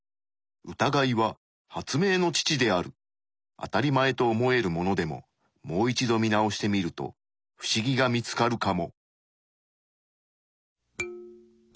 あたりまえと思えるものでももう一度見直してみると不思議が見つかるかも。